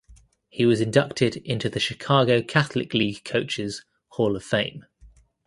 He was inducted into the Chicago Catholic League Coaches Hall of Fame.